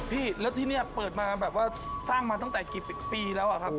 พี่แล้วที่นี่เปิดมาแบบว่าสร้างมาตั้งแต่กี่ปีแล้วอะครับ